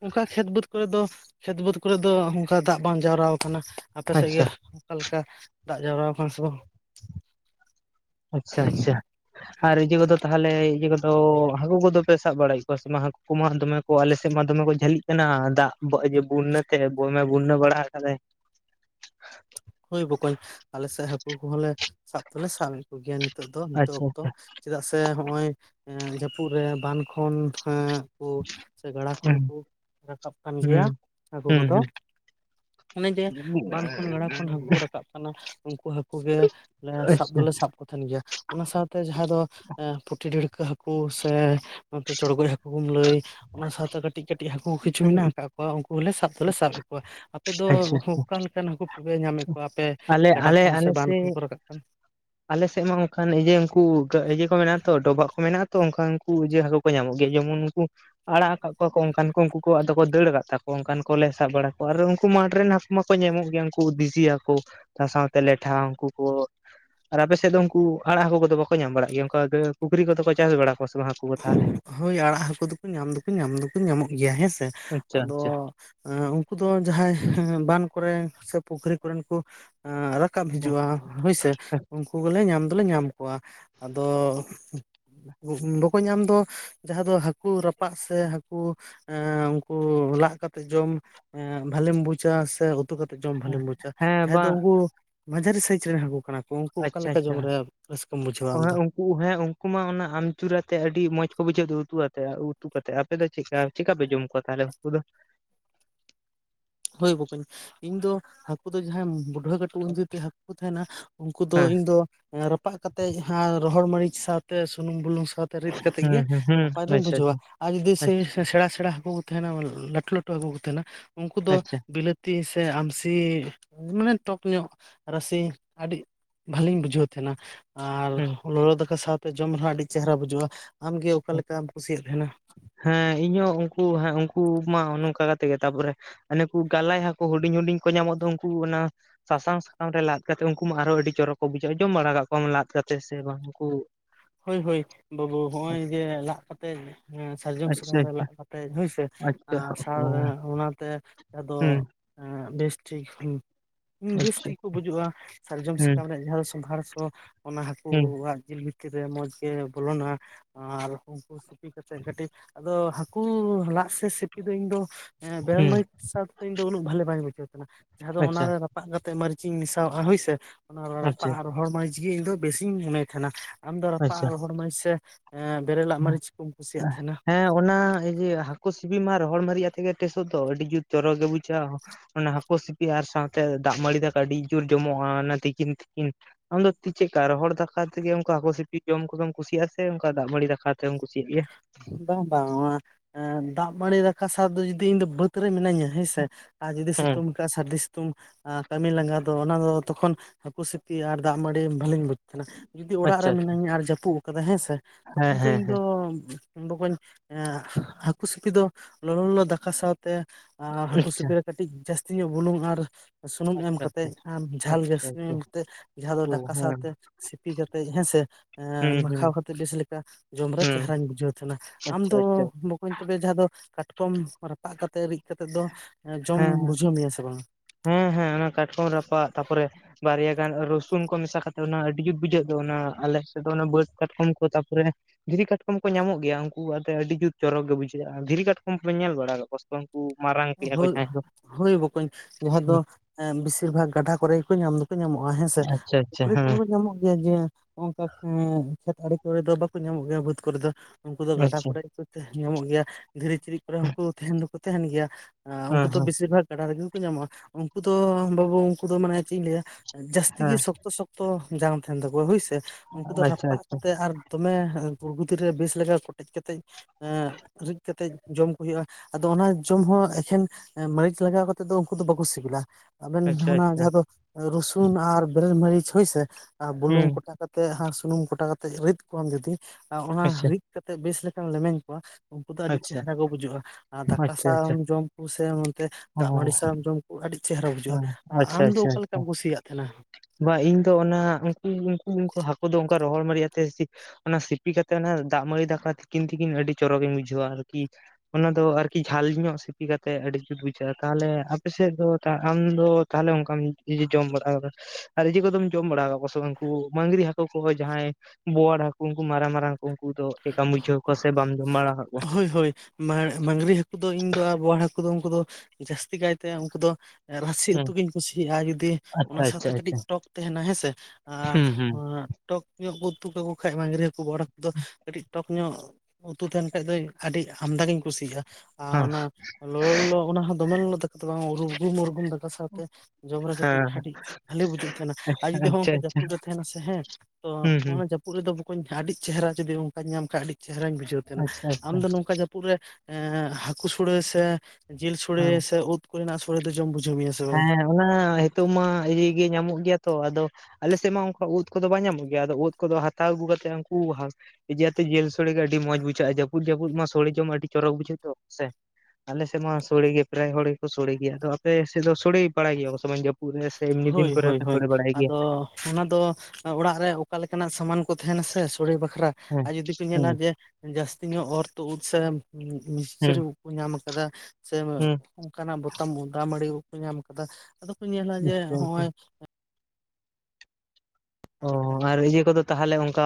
ᱚᱱᱠᱟ ᱠᱷᱮᱛ ᱵᱟᱹᱫᱽ ᱠᱚᱨᱮ ᱫᱚ ᱠᱷᱮᱛ ᱵᱟᱹᱫᱽ ᱠᱚᱨᱮ ᱫᱚ ᱚᱱᱠᱟ ᱫᱟᱜ ᱵᱟᱝ ᱡᱟᱣᱨᱟ ᱟᱠᱟᱱᱟ ᱟᱯᱮ ᱥᱮᱫ ᱟᱪᱪᱷᱟ ᱜᱮ ᱚᱠᱟ ᱞᱮᱠᱟ ᱫᱟᱜ ᱡᱟᱣᱨᱟ ᱟᱠᱟᱱᱟ ᱥᱮ ᱵᱟᱝ? ᱟᱪᱪᱷᱟ ᱟᱪᱪᱷᱟ ᱟᱨ ᱤᱡᱟᱹ ᱠᱚᱫᱚ ᱛᱟᱦᱚᱞᱮ ᱤᱡᱟᱹ ᱠᱚᱫᱚ ᱦᱟᱹᱠᱩ ᱠᱚᱫᱚ ᱯᱮ ᱥᱟᱵ ᱵᱟᱲᱟᱭ ᱮᱫ ᱠᱚᱣᱟ ᱥᱮ ᱵᱟᱝ ᱦᱟᱹᱠᱩ ᱦᱟᱸᱠᱩ ᱢᱟᱜ ᱫᱚᱢᱮ ᱠᱚ ᱟᱞᱮᱥᱮᱫ ᱢᱟ ᱫᱚᱢᱮ ᱠᱚ ᱡᱷᱟᱹᱞᱤᱜ ᱠᱟᱱᱟ ᱫᱟᱜ [unintelligible] ᱵᱩᱱᱱᱟᱹ ᱛᱮ ᱵᱚᱢ ᱮ ᱵᱩᱱᱱᱟ ᱵᱟᱲᱟ ᱟᱠᱟᱫᱟᱭ ᱦᱩᱭ ᱵᱟᱠᱚᱧ ᱟᱞᱮ ᱥᱮᱫ ᱦᱟᱹᱠᱩ ᱠᱚᱦᱚᱸ ᱞᱮ ᱥᱟᱵ ᱫᱚᱞᱮ ᱥᱟᱵ ᱮᱫ ᱠᱚᱜᱮᱭᱟ ᱱᱤᱛᱚᱜ ᱫᱚ ᱱᱤᱛᱚᱜ ᱟᱪᱪᱷᱟ ᱚᱠᱛᱚ ᱟᱪᱪᱷᱟ ᱪᱮᱫᱟᱜ ᱥᱮ ᱦᱚᱜᱼᱚᱭ ᱡᱟᱹᱯᱩᱫ ᱨᱮ ᱵᱟᱸᱱ ᱠᱷᱚᱱ ᱦᱮᱸ ᱠᱩ ᱥᱮ ᱜᱟᱰᱟ ᱠᱷᱚᱱ ᱦᱩᱸ ᱠᱚ ᱨᱟᱠᱟᱵ ᱠᱟᱱ ᱜᱮᱭᱟ ᱦᱩᱸ ᱦᱟᱸᱠᱩ ᱠᱚ ᱦᱩᱸ ᱫᱚ ᱚᱱᱮ ᱡᱮ ᱵᱟᱸᱱ ᱠᱷᱚᱱ ᱜᱟᱰᱟ ᱥᱟᱵ ᱠᱟᱱᱟ ᱩᱱᱠᱩ ᱦᱟᱸᱠᱩ ᱜᱮ ᱥᱟᱵ ᱟᱪᱪᱷᱟ ᱫᱚᱞᱮ ᱥᱟᱵ ᱛᱟᱦᱮᱱ ᱜᱮᱭᱟ ᱚᱱᱟ ᱥᱟᱶᱛᱮ ᱡᱟᱦᱟᱸᱭ ᱫᱚ ᱯᱩᱴᱤ ᱰᱟᱹᱲᱠᱟᱹ ᱦᱟᱹᱠᱩ ᱥᱮ ᱱᱚᱛᱮ ᱪᱚᱲᱜᱚᱡ ᱦᱟᱹᱠᱩ ᱠᱩᱢ ᱞᱟᱹᱭ ᱚᱱᱟ ᱥᱟᱶᱛᱮ ᱠᱟᱹᱴᱤᱡ ᱠᱟᱹᱴᱤᱡ ᱦᱟᱹᱠᱩ ᱠᱤᱪᱷᱩ ᱢᱮᱱᱟᱜ ᱟᱠᱟᱫ ᱠᱚᱣᱟ ᱩᱱᱠᱩ ᱦᱚᱸᱞᱮ ᱥᱟᱵ ᱫᱚᱞᱮ ᱥᱟᱵ ᱮᱫ ᱠᱚᱣᱟ ᱟᱯᱮ ᱫᱚ ᱟᱪᱪᱷᱟ ᱚᱠᱟ ᱞᱮᱠᱟᱱ ᱦᱟᱹᱠᱩ ᱠᱚᱯᱮ ᱧᱟᱢᱮᱫ ᱠᱚᱣᱟ ᱟᱯᱮ ᱟᱞᱮ ᱜᱟᱰᱟ ᱠᱷᱚᱱ ᱥᱮ ᱵᱟᱸᱱ ᱠᱷᱚᱱ ᱠᱚ ᱨᱟᱠᱟᱵ ᱠᱟᱱᱟ ᱟᱞᱮᱥᱮᱫ ᱢᱟ ᱚᱱᱠᱟᱱ ᱤᱡᱮ ᱩᱱᱠᱩ ᱤᱡᱟᱹ ᱠᱚ ᱢᱮᱱᱟᱜᱼᱟ ᱛᱚ ᱰᱚᱵᱟᱜ ᱠᱚ ᱢᱮᱱᱟᱜ ᱛᱚ ᱚᱱᱠᱟᱱ ᱩᱱᱠᱩ ᱤᱡᱟᱹ ᱦᱟᱸᱠᱳ ᱧᱟᱢᱚᱜ ᱜᱮᱭᱟ ᱡᱮᱢᱚᱱ ᱩᱱᱠᱩ ᱟᱲᱟᱜ ᱟᱠᱟᱵ ᱠᱚ [unintelligible] ᱚᱠᱚ ᱠᱚ ᱚᱱᱠᱟᱱ ᱠᱚ ᱩᱱᱠᱩ ᱠᱚ ᱟᱫᱚ ᱠᱚ ᱫᱟᱹᱲ ᱟᱠᱟᱫ ᱛᱟᱠᱚᱣᱟ ᱚᱱᱠᱟᱱ ᱠᱚᱞᱮ ᱥᱟᱵ ᱵᱟᱲᱟ ᱠᱚᱣᱟ ᱟᱨ ᱩᱱ [inaudible] ᱠᱩ ᱢᱟᱴᱷ ᱨᱮᱱ ᱦᱟᱹᱠᱩ ᱢᱟᱠᱚ ᱧᱟᱢᱚᱜ ᱜᱮᱭᱟ ᱩᱱᱠᱩ ᱫᱤᱠᱩ ᱦᱟᱸᱠᱳ ᱥᱟᱶᱛᱮ ᱞᱮᱴᱷᱟ ᱩᱱᱠᱩ ᱠᱚ ᱟᱨ ᱟᱯᱮ ᱥᱮᱫ ᱫᱚ ᱩᱱᱠᱩ ᱟᱲᱟᱜ ᱦᱟᱹᱠᱳ ᱠᱚ ᱫᱚ ᱵᱟᱠᱚ ᱧᱟᱢ ᱵᱟᱲᱟᱜ ᱜᱮᱭᱟ ᱚᱱᱠᱟ ᱯᱩᱠᱷᱨᱤ ᱠᱚ ᱫᱚ ᱠᱚ ᱪᱟᱥ ᱵᱟᱲᱟ ᱠᱚᱣᱟ ᱥᱮ ᱵᱟᱝ ᱦᱟᱹᱠᱩ ᱠᱚ ᱛᱟᱦᱚᱞᱮ ᱦᱳᱭ ᱟᱲᱟᱜ ᱦᱟᱹᱠᱩ ᱫᱚᱠᱚ ᱧᱟᱢ ᱫᱚᱠᱚ ᱧᱟᱢ ᱫᱚᱠᱚ ᱧᱟᱢᱚᱜ ᱜᱮᱭᱟ ᱦᱮᱸᱥᱮ ᱟᱪᱪᱷᱟ ᱟᱫᱚ ᱟᱪᱪᱷᱟ ᱩᱱᱠᱩ ᱫᱚ ᱡᱟᱦᱟᱸᱭ ᱵᱟᱸᱱ ᱠᱚᱨᱮ ᱥᱮ ᱯᱩᱠᱷᱨᱤ ᱠᱚᱨᱮᱱ ᱠᱩ ᱨᱟ ᱨᱟᱠᱟᱢ ᱦᱤᱡᱩᱜᱼᱟ ᱦᱳᱭᱥᱮ ᱩᱱᱠᱩ ᱜᱮᱞᱮ ᱧᱟᱢ ᱫᱚᱞᱮ ᱧᱟᱢ ᱠᱚᱣᱟ ᱟᱫᱚ ᱠᱚ ᱧᱟᱢ ᱫᱚ ᱡᱟᱦᱟᱸ ᱫᱚ ᱦᱟᱠᱩ ᱨᱟᱯᱟᱜ ᱥᱮ ᱦᱟᱠᱩ ᱮ ᱩᱱᱠᱩ ᱞᱟᱜ ᱠᱟᱛᱮᱜ ᱡᱚᱢ ᱮᱸ ᱵᱷᱟᱞᱮᱢ ᱵᱩᱡᱟ ᱥᱮ ᱩᱛᱩ ᱡᱚᱢ ᱵᱷᱟᱞᱤᱢ ᱵᱩᱡᱟ ᱦᱮᱸ ᱡᱟᱦᱟᱸᱭ ᱫᱚ ᱵᱟᱝ ᱩᱱᱠᱩ ᱢᱟᱡᱷᱟᱨᱤ ᱥᱟᱭᱤᱡ ᱨᱮᱱ ᱦᱟᱠᱩ ᱠᱟᱱᱟ ᱩᱱᱠᱩ ᱚᱠᱟ ᱟᱪᱪᱷᱟ ᱞᱮᱠᱟ ᱟᱪᱪᱷᱟ ᱡᱚᱢ ᱨᱮ ᱨᱟᱹᱥᱠᱟᱹᱢ ᱵᱩᱡᱷᱟᱹᱣᱟ ᱦᱮᱸ ᱟᱢᱫᱚ ᱩᱱᱠᱩ ᱦᱮᱸ ᱩᱱᱠᱩ ᱢᱟ ᱚᱱᱟ ᱟᱢᱪᱩᱨ ᱟᱛᱮ ᱟᱹᱰᱤ ᱢᱚᱸᱡᱽ ᱠᱚ ᱵᱩᱡᱷᱟᱹᱜ ᱫᱚ ᱩᱛᱩ ᱟᱛᱮ ᱩᱛᱩ ᱠᱟᱛᱮ ᱟᱯᱮᱫᱚ ᱪᱮᱫᱠᱟ ᱪᱤᱠᱟ ᱯᱮ ᱡᱩᱢ ᱠᱚᱣᱟ ᱛᱟᱦᱞᱮ ᱩᱱᱠᱩ ᱫᱚ ᱦᱳᱭ ᱵᱚᱠᱚᱧ ᱤᱧ ᱫᱚ ᱦᱟᱹᱠᱩ ᱫᱚ ᱡᱟᱦᱟᱸᱭᱮᱢ ᱵᱩᱰᱷᱟᱹ ᱠᱟᱹᱴᱩᱵ [unintelligible] ᱦᱟᱸᱠᱩ ᱠᱚ ᱛᱟᱦᱮᱱᱟ ᱩᱱᱠᱩ ᱫᱚ ᱦᱮᱸ ᱤᱧ ᱫᱚ ᱨᱟᱯᱟᱜ ᱠᱟᱛᱮ ᱛᱮᱡ ᱦᱟᱸ ᱨᱚᱦᱚᱲ ᱢᱟᱹᱨᱤᱡ ᱥᱟᱶᱛᱮ ᱥᱩᱱᱩᱢ ᱵᱩᱞᱩᱝ ᱥᱟᱶᱛᱮ ᱨᱤᱫ ᱠᱟᱛᱮ ᱦᱩᱸ ᱜᱮ ᱦᱩᱸ ᱦᱩᱸ ᱱᱟᱯᱟᱭ ᱫᱚᱧ ᱟᱪᱪᱷᱟ ᱵᱩᱡᱷᱟᱹᱣᱟ ᱟᱪᱪᱷᱟ ᱟᱨ ᱡᱩᱫᱤ ᱥᱮ ᱟᱪᱪᱷᱟ ᱥᱮᱬᱟ ᱥᱮᱬᱟ ᱦᱟᱹᱠᱩ ᱛᱟᱦᱮᱱᱟ ᱞᱟᱹᱴᱩ ᱞᱟᱹᱴᱩ ᱦᱟᱹᱠᱩ ᱠᱚ ᱛᱟᱦᱮᱱᱟ ᱩᱱᱠᱩ ᱫᱚ [inaudible] ᱵᱤᱞᱟᱹᱛᱤ ᱥᱮ ᱟᱢᱥᱤ ᱢᱟᱱᱮ ᱴᱚᱠ ᱧᱚᱜ ᱨᱟᱥᱮ ᱟᱹᱰᱤ ᱵᱷᱟᱞᱤᱧ ᱵᱩᱡᱷᱟᱹᱣ ᱛᱟᱦᱮᱸᱱᱟ ᱟᱨ ᱦᱩᱸ ᱞᱚᱞᱚ ᱫᱟᱠᱟ ᱥᱟᱶᱛᱮ ᱡᱚᱢ ᱨᱮᱦᱚᱸ ᱟᱹᱰᱤ ᱪᱮᱦᱨᱟ ᱵᱩᱡᱩᱜᱼᱟ᱾ ᱟᱢᱜᱮ ᱚᱠᱟ ᱦᱩᱸ ᱞᱮᱠᱟᱢ ᱠᱩᱥᱤᱭᱟᱜ ᱛᱟᱦᱮᱱᱟ ᱦᱮᱸ ᱤᱧ ᱦᱚᱸ ᱩᱱᱠᱩ ᱦᱮᱸ ᱩᱱᱠᱩ ᱢᱟ ᱱᱚᱝᱠᱟ ᱠᱟᱛᱮ ᱜᱮ ᱛᱟᱯᱚᱨᱮ ᱚᱱᱮᱠᱩ ᱜᱟᱞᱟᱭ ᱦᱟᱠᱳ ᱦᱩᱰᱤᱧ ᱦᱩᱰᱤᱧ ᱠᱚ ᱧᱟᱢᱚᱜ ᱫᱚ ᱩᱱᱠᱩ ᱚᱱᱟ ᱥᱟᱥᱟᱝ ᱥᱟᱠᱟᱢ ᱨᱮ ᱞᱟᱫ ᱠᱟᱛᱮ ᱩᱱᱠᱩ ᱢᱟ ᱟᱨᱦᱚᱸ ᱟᱹᱰᱤ ᱪᱚᱨᱚᱠ ᱠᱚ ᱵᱩᱡᱷᱟᱹᱜᱼᱟ᱾ ᱡᱚᱢ ᱵᱟᱲᱟ ᱠᱟᱜ ᱠᱚᱣᱟᱢ ᱞᱟᱫ ᱠᱟᱛᱮ ᱥᱮ ᱵᱟᱝ ᱩᱱᱠᱩ ᱦᱳᱭ ᱦᱳᱭ ᱵᱟᱹᱵᱩ ᱱᱚᱦᱚᱭ ᱜᱮ ᱞᱟᱜ ᱠᱟᱛᱮ ᱥᱟᱨᱡᱚᱢ ᱟᱪᱪᱷᱟ ᱥᱟᱠᱟᱢ ᱨᱮ ᱟᱪᱪᱷᱟ ᱞᱟᱜ ᱠᱟᱛᱮᱫ ᱦᱳᱭᱥᱮ ᱟ ᱟᱪᱪᱷᱟ ᱚ ᱚᱱᱟᱛᱮ ᱟᱫᱚ ᱦᱩᱸ ᱦᱮᱸ ᱵᱮᱥ ᱴᱷᱤᱠ ᱦᱩᱸ ᱵᱮᱥ ᱟᱪᱪᱷᱟ ᱴᱷᱤᱠ ᱠᱚ ᱵᱩᱡᱩᱜᱼᱟ ᱥᱟᱨᱡᱚᱢ ᱦᱩᱸ ᱥᱟᱠᱟᱢ ᱨᱮᱭᱟᱜ ᱡᱟᱦᱟᱸ ᱫᱚ ᱥᱚᱸᱫᱷᱟᱲ ᱥᱚ ᱚᱱᱟ ᱦᱩᱸ ᱦᱟᱹᱠᱩᱣᱟᱜ ᱡᱤᱞ ᱵᱷᱤᱛᱤᱨ ᱨᱮ ᱢᱚᱡᱽ ᱜᱮ ᱵᱚᱞᱚᱱᱟ ᱟᱨ ᱩᱱᱠᱩ ᱥᱤᱯᱤ ᱠᱟᱛᱮᱫ ᱠᱟᱹᱴᱤᱡ ᱟᱫᱚ ᱦᱟᱹᱠᱩ ᱞᱟᱜ ᱥᱮ ᱥᱤᱯᱤ ᱫᱚ ᱤᱧ ᱫᱚ ᱦᱮᱸ ᱵᱮᱨᱮᱞ ᱦᱩᱸ ᱢᱟᱹᱨᱤᱡ ᱥᱟᱶᱛᱮ ᱤᱧ ᱫᱚ ᱩᱱᱟᱹᱜ ᱵᱷᱟᱞᱮ ᱵᱟᱹᱧ ᱵᱩᱡᱷᱟᱹᱣ ᱛᱟᱦᱮᱱᱟ ᱡᱟᱦᱟᱸ ᱫᱚ ᱟᱪᱪᱷᱟ ᱚᱱᱟᱨᱮ ᱨᱟᱯᱟᱜ ᱠᱟᱛᱮᱫ ᱢᱟᱹᱨᱤᱪ ᱤᱧ ᱢᱮᱥᱟᱣᱟᱜᱼᱟ ᱦᱳᱭᱥᱮ ᱚᱱᱟ ᱨᱟᱯᱟᱜ ᱟᱪᱪᱷᱟ ᱟᱨ ᱨᱚᱦᱚᱲ ᱢᱟᱹᱨᱤᱪ ᱜᱮ ᱤᱧ ᱫᱚ ᱵᱮᱥᱤᱧ ᱢᱚᱱᱮᱭ ᱛᱟᱦᱮᱱᱟ᱾ ᱟᱢ ᱫᱚ ᱟᱪᱪᱷᱟ ᱨᱟᱯᱟᱜ ᱨᱚᱦᱚᱲ ᱢᱟᱹᱨᱤᱪ ᱥᱮ ᱵᱮᱨᱮᱞᱟᱜ ᱢᱟᱹᱨᱤᱪ ᱠᱚᱢ ᱠᱩᱥᱤᱭᱟᱜ ᱛᱟᱦᱮᱱᱟ ᱦᱮᱸ ᱚᱱᱟ ᱤᱡᱟᱹ ᱦᱟᱹᱠ ᱦᱟᱠᱳ [inaudible] ᱥᱤᱵᱤ ᱢᱟ ᱨᱚᱦᱚᱲ ᱢᱟᱹᱨᱤᱡ ᱟᱛᱮᱜ ᱜᱮ ᱴᱮᱥᱚᱜ ᱫᱚ ᱟᱹᱰᱤ ᱡᱩᱛ ᱪᱚᱨᱚᱠ ᱜᱮ ᱵᱩᱡᱷᱟᱹᱜᱼᱟ᱾ ᱚᱱᱟ ᱦᱟᱹᱠᱩ ᱥᱤᱯᱤ ᱟᱨ ᱥᱟᱶᱛᱮ ᱫᱟᱜ ᱢᱟᱹᱲᱤ ᱫᱟᱠᱟ ᱟᱹᱰᱤ ᱡᱳᱨ ᱡᱚᱢᱚᱜᱼᱟ ᱚᱱᱟ ᱛᱤᱠᱤᱱ ᱛᱤᱠᱤᱱ ᱟᱢᱫᱚ ᱪᱮᱫᱠᱟ ᱨᱚᱦᱚᱲ ᱫᱟᱠᱟ ᱛᱮᱜᱮ ᱚᱱᱠᱟ ᱦᱟᱹᱠᱩ ᱥᱤᱯᱤ ᱡᱚᱢ ᱠᱚᱫᱚᱢ ᱠᱩᱥᱟᱜᱼᱟ ᱥᱮ ᱚᱱᱠᱟ ᱫᱟᱜ ᱢᱟᱹᱲᱤ ᱫᱟᱠᱟ ᱠᱟᱛᱮᱢ ᱠᱩᱥᱤᱭᱟᱜ ᱜᱮᱭᱟ ᱵᱟᱝ ᱵᱟᱝ ᱚᱱᱟ ᱫᱟᱜ ᱢᱟᱹᱲᱤ ᱫᱟᱠᱟ ᱥᱟᱣ ᱫᱚ ᱡᱩᱫᱤ ᱤᱧ ᱫᱚ ᱵᱟᱹᱫᱽ ᱨᱮ ᱢᱤᱱᱟᱹᱧᱟ ᱦᱮᱸ ᱥᱮ ᱟᱨ ᱡᱩᱫᱤ ᱦᱮᱸ ᱥᱤᱛᱩᱝ ᱠᱟᱜᱼᱟ ᱥᱟᱹᱨᱫᱤ ᱥᱤᱛᱩᱝ ᱠᱟᱹᱢᱤ ᱞᱟᱸᱜᱟ ᱫᱚ ᱚᱱᱟ ᱫᱚ ᱛᱚᱠᱷᱚᱱ ᱦᱟᱹᱠᱩ ᱥᱤᱯᱤ ᱟᱨ ᱫᱟᱜ ᱢᱟᱹᱲᱤ ᱵᱷᱟᱹᱞᱤᱧ ᱵᱩᱡ ᱛᱟᱸᱦᱮᱱᱟ ᱡᱩᱫᱤ ᱚᱲᱟᱜ ᱨᱮ ᱟᱪᱪᱷᱟ ᱢᱤᱱᱟᱹᱧᱟ ᱟᱨ ᱡᱟᱹᱯᱩᱫ ᱠᱟᱫᱟ ᱦᱮᱸ ᱥᱮ ᱦᱮᱸ ᱛᱚᱠᱷᱚᱱ ᱫᱚ ᱦᱮᱸ ᱤᱧ ᱫᱚ ᱦᱮᱸ ᱵᱚᱠᱚᱧ ᱦᱟᱹᱠᱩ ᱥᱤᱯᱤ ᱫᱚ ᱞᱚᱞᱚ ᱞᱚᱞᱚ ᱫᱟᱠᱟ ᱥᱟᱶᱛᱮ ᱟᱨ ᱦᱟᱹᱠᱩ ᱟᱪᱪᱷᱟ ᱥᱤᱯᱤ ᱨᱮ ᱠᱟᱹᱴᱤᱡ ᱡᱟᱹᱥᱛᱤ ᱧᱚᱜ ᱵᱩᱞᱩᱝ ᱟᱨ ᱥᱩᱱᱩᱢ ᱮᱢ ᱟᱪᱪᱷᱟ ᱠᱟᱛᱮᱜ ᱟᱪᱪᱷᱟ ᱟᱢ ᱡᱷᱟᱞ ᱟᱪᱪᱷᱟ ᱡᱟᱹᱥᱛᱤ ᱮᱢ ᱟᱪᱪᱷᱟ ᱠᱟᱛᱮᱜ ᱡᱷᱟᱞ ᱚ ᱫᱟᱠᱟ ᱦᱮᱸ ᱥᱟᱶᱛᱮ ᱥᱤᱯᱤ ᱠᱟᱛᱮᱜ ᱦᱮᱸ ᱥᱮ ᱦᱩᱸ ᱦᱩᱸ ᱢᱟᱠᱷᱟᱣ ᱠᱟᱛᱮᱜ ᱵᱮᱥ ᱞᱮᱠᱟ ᱡᱚᱢ ᱨᱮ ᱦᱩᱸ ᱪᱮᱦᱮᱨᱟᱧ ᱵᱩᱡ ᱛᱟᱦᱮᱸᱱᱟ ᱟᱢ ᱟᱪᱪᱷᱟ ᱟᱪᱪᱷᱟ ᱫᱚ ᱵᱚᱠᱚᱧ ᱛᱚᱵᱮ ᱡᱟᱦᱟᱸ ᱫᱚ ᱠᱟᱴᱠᱚᱢ ᱨᱟᱯᱟᱜ ᱠᱟᱛᱮ ᱨᱤᱜ ᱠᱟᱛᱮᱫ ᱫᱚ ᱡᱚᱢ ᱦᱮᱸ ᱵᱩᱡᱷᱟᱹᱣ ᱢᱮᱭᱟ ᱥᱮ ᱵᱟᱝ ᱦᱮᱸ ᱦᱮᱸ ᱚᱱᱟ ᱠᱟᱴᱠᱚᱢ ᱨᱟᱯᱟᱜ ᱛᱟ ᱯᱚᱨᱮ ᱵᱟᱨᱮᱭᱟ ᱜᱟᱱ ᱨᱚᱥᱩᱱ ᱠᱚ ᱢᱮᱥᱟ ᱠᱟᱛᱮ ᱚᱱᱟ, ᱟᱹᱰᱤ ᱡᱩᱛ ᱵᱩᱡᱷᱟᱹᱜ ᱫᱚ ᱚᱱᱟ ᱟᱞᱮ ᱥᱮᱫ ᱫᱚ ᱚᱱᱟ ᱵᱟᱹᱫ ᱠᱟᱴᱠᱚᱢ ᱠᱚ, ᱛᱟᱯᱚᱨᱮ ᱫᱷᱤᱨᱤ ᱠᱟᱴᱠᱚᱢ ᱠᱚ ᱧᱟᱢᱚᱜ ᱜᱮᱭᱟ ᱩᱱᱠᱩ ᱟᱛᱮ ᱟᱹᱰᱤ ᱡᱩᱛ ᱪᱚᱨᱚᱠ ᱜᱮ ᱵᱩᱡᱷᱟᱹᱜᱼᱟ ᱟᱨ ᱫᱷᱤᱨᱤ ᱠᱟᱴᱠᱚᱢ ᱯᱮ ᱧᱮᱞ ᱵᱟᱲᱟ ᱠᱟᱜ ᱠᱚᱣᱟ ᱥᱮ ᱩᱱᱠᱩ ᱢᱟᱨᱟᱝ ᱜᱮᱭᱟ ᱠᱚ ᱡᱟᱦᱟᱸᱭ ᱫᱚ ᱦᱩᱭ ᱵᱚᱠᱚᱧ ᱡᱟᱦᱟᱸ ᱫᱚ ᱵᱮᱥᱤᱨ ᱵᱷᱟᱜᱽ ᱜᱟᱰᱟ ᱠᱚᱨᱮ ᱜᱮᱠᱚ ᱧᱟᱢ ᱧᱟᱢᱚᱜᱼᱟ ᱦᱮᱸ ᱥᱮ ᱟᱪᱪᱷᱟ ᱟᱨ ᱟᱪᱪᱷᱟ ᱯᱩᱠᱷᱨᱤ ᱦᱮᱸ ᱠᱚᱦᱚᱸ ᱧᱟᱢᱚᱜ ᱜᱮᱭᱟ ᱡᱮ ᱚᱱᱠᱟ ᱠᱷᱮᱛ ᱟᱲᱮ ᱠᱚᱨᱮ ᱫᱚ ᱵᱟᱠᱚ ᱧᱟᱢᱚᱜ ᱜᱮᱭᱟ ᱵᱟᱹᱫᱽ ᱠᱚᱨᱮ ᱫᱚ ᱩᱱᱠᱩ ᱫᱚ ᱜᱟᱰᱟ ᱟᱪᱪᱷᱟ ᱠᱚᱨᱮ ᱫᱚ ᱛᱮ ᱧᱟᱢᱚᱜ ᱜᱮᱭᱟ ᱫᱷᱤᱨᱤ ᱪᱤᱨᱪᱤᱡ ᱠᱚᱨᱮ ᱦᱚᱸᱠᱩ ᱛᱟᱸᱦᱮᱱ ᱫᱚᱠᱚ ᱛᱟᱸᱦᱮᱱ ᱜᱮᱭᱟ ᱩᱱᱠᱩ ᱦᱮᱸ ᱫᱚ ᱦᱮᱸ ᱵᱮᱥᱤᱨ ᱵᱷᱟᱜ ᱠᱟᱰᱟ ᱨᱮᱜᱮ ᱠᱚ ᱧᱟᱢᱚᱜᱼᱟ ᱩᱱᱠᱩ ᱫᱚ ᱵᱟᱹᱵᱩ ᱩᱱᱠᱩ ᱫᱚ ᱢᱟᱱᱮ ᱪᱮᱫ ᱤᱧ ᱞᱟᱹᱭᱟ ᱡᱟᱹᱥᱛᱤ ᱜᱤ ᱦᱮᱸ ᱥᱚᱠᱛᱚ ᱥᱚᱠᱛᱚ ᱡᱟᱝ ᱛᱟᱸᱦᱮᱱ ᱛᱟᱠᱚᱣᱟ ᱦᱩᱭ ᱥᱮ ᱩᱱᱠᱩ ᱫᱚ ᱟᱪᱪᱷᱟ ᱨᱟᱯᱟᱜ ᱟᱪᱪᱷᱟ ᱠᱟᱛᱮ ᱟᱨ ᱫᱚᱢᱮ ᱜᱩᱲᱜᱩ ᱫᱷᱤᱨᱤ ᱨᱮ ᱵᱤᱥ ᱞᱮᱠᱟ ᱠᱚᱴᱮᱡ ᱠᱟᱛᱮᱡ ᱦᱮᱸ ᱨᱤᱫ ᱠᱟᱛᱮᱜ ᱡᱚᱢ ᱠᱚ ᱦᱩᱭᱩᱜᱼᱟ ᱟᱫᱚ ᱚᱱᱟ ᱡᱚᱢ ᱦᱚᱸ ᱮᱠᱷᱮᱱ ᱢᱟᱹᱨᱤᱪ ᱞᱟᱜᱟᱣ ᱠᱟᱛᱮ ᱫᱚ ᱩᱱᱠᱩ ᱫᱚ ᱵᱟᱠᱚ ᱥᱤᱵᱤᱞᱟ ᱟᱵᱮᱱ ᱟᱪᱪᱷᱟ ᱚᱱᱟ ᱟᱪᱪᱷᱟ ᱡᱟᱦᱟᱸ ᱫᱚ ᱨᱚᱥᱩᱱ ᱟᱨ ᱵᱮᱨᱮᱞ ᱢᱟᱹᱨᱤᱪ ᱦᱳᱭ ᱥᱮ ᱟᱨ ᱵᱩᱞᱩᱝ ᱦᱩᱸ ᱠᱚᱴᱟ ᱠᱟᱛᱮ ᱛᱮ ᱦᱟᱸ ᱥᱩᱱᱩᱢ ᱠᱚᱴᱟ ᱠᱟᱛᱮᱫ ᱨᱤᱫ ᱠᱚᱣᱟᱢ ᱡᱩᱫᱤ ᱟᱨ ᱚᱱᱟ ᱟᱪᱪᱷᱟ ᱨᱤᱫ ᱠᱟᱛᱮ ᱵᱮᱥ ᱞᱮᱠᱟᱢ ᱞᱮᱢᱮᱧ ᱩᱱᱠᱩ ᱫᱚ ᱟᱹᱰᱤ ᱟᱪᱪᱷᱟ ᱪᱮᱦᱮᱨᱟ ᱠᱚ ᱵᱩᱡᱷᱟᱹᱜᱼᱟ ᱟᱨ ᱫᱟᱠᱟ ᱟᱪᱪᱷᱟ ᱥᱟᱣ ᱟᱪᱪᱷᱟ ᱡᱚᱢ ᱥᱮ ᱚᱱᱛᱮ ᱚ ᱫᱟᱜ ᱢᱟᱹᱲᱤ ᱥᱟᱣ ᱡᱚᱢ ᱠᱚ ᱟᱹᱰᱤ ᱪᱮᱦᱮᱨᱟ ᱚ ᱵᱩᱡᱟᱹᱜᱼᱟ ᱟᱪᱪᱷᱟ ᱟᱢ ᱫᱚ ᱟᱪᱪᱷᱟ ᱚᱠᱟ ᱟᱪᱪᱷᱟ ᱞᱮᱠᱟᱢ ᱠᱩᱥᱤᱭᱟᱜ ᱛᱟᱸᱦᱮᱱᱟ ᱵᱟ ᱤᱧ ᱫᱚ ᱚᱱᱟ ᱩᱱᱠᱩ ᱩᱱᱠᱩ ᱩᱱᱠᱩ ᱦᱟᱹᱠᱩ ᱫᱚ ᱚᱱᱠᱟ ᱨᱚᱦᱚᱲ ᱢᱟᱹᱨᱤᱡ ᱟᱛᱮ ᱚᱱᱟ ᱥᱤᱯᱤ ᱠᱟᱛᱮᱫ ᱚᱱᱟ ᱫᱟᱜ ᱢᱟᱹᱲᱤ ᱫᱟᱠᱟ ᱛᱤᱠᱤᱱ ᱛᱤᱠᱤᱱ ᱟᱹᱰᱤ ᱪᱚᱨᱚᱠᱤᱧ ᱵᱩᱡᱷᱟᱹᱣᱟ ᱟᱨᱠᱤ ᱚᱱᱟ ᱫᱚ ᱟᱨᱠᱤ ᱡᱷᱟᱹᱞ ᱧᱚᱜ ᱥᱤᱯᱤ ᱠᱟᱛᱮᱫ ᱟᱹᱰᱤ ᱡᱩᱛ ᱵᱩᱡᱷᱟᱹᱜᱼᱟ ᱛᱟᱦᱚᱞᱮ ᱟᱯᱮ ᱥᱮᱫ ᱫᱚ ᱫᱟ ᱟᱢ ᱫᱚ ᱛᱟᱦᱚᱞᱮ ᱚᱱᱠᱟᱢ ᱡᱚᱢ ᱵᱟᱲᱟ ᱠᱟᱫᱟ ᱟᱨ ᱤᱡᱮ ᱠᱚᱫᱚᱢ ᱡᱚᱢ ᱵᱟᱲᱟ ᱠᱟᱜ ᱠᱚᱣᱟ ᱥᱮᱵᱟᱝ ᱩᱱᱠᱩ ᱢᱟᱹᱝᱨᱤ ᱦᱟᱹᱠᱩ ᱩᱱᱠᱩ ᱠᱚᱦᱚᱸ ᱡᱟᱦᱟᱸᱭ ᱵᱳᱣᱟᱲ ᱦᱟᱹᱠᱩ ᱩᱱᱠᱩ ᱢᱟᱨᱟᱝ ᱢᱟᱨᱟᱝ ᱩᱱᱠᱩ ᱫᱚ ᱪᱮᱠᱟᱢ ᱵᱩᱡᱷᱟᱹᱣ ᱠᱚᱣᱟ ᱥᱮ ᱵᱟᱢ ᱡᱚᱢ ᱵᱟᱲᱟ ᱠᱟᱜ ᱠᱚᱣᱟ ᱦᱳᱭ ᱦᱳᱭ᱾ ᱢᱟᱝᱨᱤ ᱦᱟᱹᱠᱩ ᱫᱚ ᱤᱧ ᱫᱚ ᱵᱚᱣᱟᱲ ᱦᱟᱹᱠᱩ ᱫᱚ ᱩᱱᱠᱩ ᱫᱚ ᱡᱟᱹᱥᱛᱤ ᱠᱟᱭ ᱛᱮ ᱩᱱᱠᱩ ᱫᱚ ᱨᱟᱥᱮ ᱦᱩᱸ ᱩᱛᱩ ᱜᱤᱧ ᱠᱩᱥᱤᱭᱟᱜᱼᱟ ᱡᱩᱫᱤ ᱟᱪᱪᱷᱟ ᱚᱱᱟ ᱥᱟᱶᱛᱮ ᱟᱪᱪᱷᱟ ᱠᱟᱹᱴᱤᱡ ᱟᱪᱪᱷᱟ ᱴᱚᱠ ᱛᱟᱸᱦᱮᱱᱟ ᱦᱮᱸ ᱥᱮ ᱟᱨ ᱦᱩᱸ ᱦᱩᱸ ᱴᱚᱠ ᱧᱚᱜ ᱠᱚ ᱩᱛᱩ ᱠᱟᱠᱚ ᱠᱷᱟᱡ ᱢᱟᱝᱨᱤ ᱦᱟᱹᱠᱩ ᱵᱚᱣᱟᱲ ᱦᱟᱹᱠᱩ ᱫᱚ ᱠᱟᱹᱴᱤᱡ ᱴᱚᱠ ᱧᱚᱜ ᱩᱛᱩ ᱛᱟᱸᱦᱮᱱ ᱠᱷᱟᱡ ᱫᱚ ᱟᱹᱰᱤ ᱟᱢᱫᱟ ᱜᱤᱧ ᱠᱩᱥᱤᱭᱟᱜᱼᱟ ᱟᱨ ᱦᱮᱸ ᱚᱱᱟ ᱞᱚᱞᱚ ᱚᱱᱟ ᱦᱚᱸ ᱫᱚᱢᱮ ᱞᱚᱞᱚ ᱫᱟᱠᱟ ᱫᱚ ᱵᱟᱝ ᱩᱨᱜᱩᱢ ᱩᱨᱜᱩᱢ ᱫᱟᱠᱟ ᱥᱟᱶᱛᱮ ᱡᱚᱢ ᱨᱮ ᱠᱟᱹᱴᱤᱡ ᱦᱮᱸ ᱠᱟᱹᱴᱤᱡ ᱵᱷᱟᱹᱞᱤ ᱵᱩᱡᱟᱹᱜ ᱛᱟᱸᱦᱮᱱᱟ ᱟᱨ ᱡᱩᱫᱤ ᱦᱚᱸᱜ ᱟᱪᱪᱷᱟ ᱚᱝᱠᱟ ᱟᱪᱪᱷᱟ ᱡᱟᱹᱯᱩᱫ ᱨᱮ ᱛᱟᱸᱦᱮᱱᱟ ᱥᱮ ᱦᱮᱸ ᱛᱚ ᱦᱩᱸ ᱦᱚᱸᱜ ᱦᱩᱸ ᱱᱚᱣᱟ ᱡᱟᱹᱯᱩ ᱩᱱ ᱨᱮᱫᱚ ᱵᱚᱠᱚᱧ ᱟᱹᱰᱤ ᱪᱮᱦᱮᱨᱟ ᱡᱩᱫᱤ ᱚᱱᱠᱟᱧ ᱧᱟᱢ ᱠᱷᱟᱡ ᱟᱹᱰᱤ ᱪᱮᱦᱮᱨᱟᱧ ᱵᱩᱡᱷᱟᱹᱣ ᱛᱟᱸᱦᱮᱱᱟ, ᱟᱪᱪᱷᱟ ᱟᱪᱪᱷᱟ ᱟᱢ ᱫᱚ ᱱᱚᱝᱠᱟ ᱯᱩᱨᱮ ᱮᱸ ᱦᱟᱹᱠᱩ ᱥᱚᱲᱮ ᱥᱮ ᱡᱤᱞ ᱦᱮᱸ ᱥᱚᱲᱮ ᱥᱮ ᱩᱫ ᱠᱚᱨᱮᱱᱟᱜ ᱥᱚᱲᱮ ᱫᱚ ᱡᱚᱢ ᱵᱩᱡᱷᱟᱹᱣ ᱢᱮᱭᱟ ᱵᱟᱝ? ᱦᱮᱸ ᱚᱱᱟ ᱦᱤᱛᱳᱜ ᱢᱟ ᱤᱭᱟᱜᱮ ᱧᱟᱢᱚᱜ ᱜᱮᱭᱟ ᱛᱚ, ᱟᱫᱚ ᱟᱞᱮ ᱥᱮᱫ ᱢᱟ ᱚᱱᱠᱟ ᱩᱫ ᱠᱚᱫᱚ ᱵᱟᱝ ᱧᱟᱢᱚᱜ ᱜᱮᱭᱟ ᱟᱫᱚ ᱩᱫ ᱠᱚᱫᱚ ᱦᱟᱛᱟᱣ ᱟᱹᱜᱩ ᱠᱟᱛᱮᱫ ᱩᱱᱠᱩ ᱤᱡᱮ ᱟᱛᱮ ᱡᱤᱞ ᱥᱚᱲᱮ ᱜᱮ ᱟᱹᱰᱤ ᱢᱚᱸᱡᱽ ᱵᱩᱡᱷᱟᱹᱜᱼᱟ ᱡᱟᱹᱯᱩᱫ ᱡᱟᱹᱯᱩᱫ ᱢᱟ ᱥᱚᱲᱮ ᱡᱚᱢ ᱟᱹᱰᱤ ᱪᱚᱨᱚᱠ ᱵᱩᱡᱷᱟᱹᱜ ᱫᱚ ᱥᱮ ᱟᱞᱮ ᱥᱮᱫ ᱢᱟ ᱥᱚᱲᱮ ᱜᱮ ᱯᱨᱟᱭ ᱦᱚᱲ ᱜᱮᱠᱚ ᱥᱚᱲᱮ ᱜᱮᱭᱟ ᱟᱫᱚ ᱟᱯᱮ ᱥᱮᱫ ᱫᱚ ᱥᱚᱲᱮ ᱵᱟᱲᱟᱭ ᱜᱮᱭᱟ ᱠᱚ ᱥᱮ ᱵᱟᱝ ᱡᱟᱯ ᱯᱩᱨᱟᱹ ᱥᱮ ᱮᱢᱱᱤ ᱫᱤᱱ ᱦᱳᱭ ᱠᱚᱨᱮ ᱦᱳᱭ ᱦᱳᱭ [unintelligible] ᱵᱟᱲᱟᱭ ᱜᱮᱭᱟ ᱟᱫᱚ ᱚᱱᱟ ᱫᱚ ᱚᱲᱟᱜ ᱨᱮ ᱚᱠᱟ ᱞᱮᱠᱟᱱᱟᱜ ᱥᱟᱢᱟᱱ ᱠᱚ ᱛᱟᱦᱮᱱᱟ ᱥᱮ ᱥᱳᱲᱮ ᱵᱟᱠᱷᱨᱟ ᱟᱨ ᱦᱮᱸ ᱡᱩᱫᱤ ᱯᱮ ᱧᱮᱞᱟ ᱦᱮᱸ ᱡᱮ ᱡᱟᱹᱥᱛᱤ ᱧᱚᱜ ᱚᱨ ᱛᱩᱫ [inaudible] ᱢᱤᱥᱪᱨᱤ ᱦᱮᱸ ᱵᱟᱠᱚ ᱧᱟᱢ ᱠᱟᱫᱟ ᱥᱮ ᱦᱮᱸ ᱚᱱᱠᱟᱱᱟᱜ ᱵᱚᱛᱟᱢ [inaudible] ᱵᱟᱠᱚ ᱧᱟᱢ ᱠᱟᱫᱟ ᱟᱫᱚ ᱠᱚ ᱧᱮᱞᱟ ᱡᱮ ᱟᱪᱪᱷᱟ ᱟᱪᱪᱷᱟ ᱱᱚᱜᱼᱚᱭ ᱚ ᱫᱟᱠᱟ ᱟᱨ ᱤᱭᱟᱹ ᱠᱚᱫᱚ ᱛᱟᱦᱚᱞᱮ ᱚᱱᱠᱟ